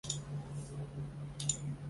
但遭遇肃顺严厉的反对。